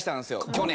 去年。